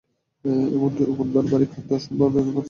এমনকি উকুন ঘরবাড়ি ও খাদ্য-সম্ভারের উপর ছড়িয়ে পড়তে লাগল।